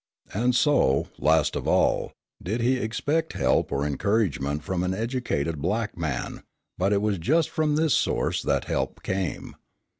And so, last of all, did he expect help or encouragement from an educated black man; but it was just from this source that help came.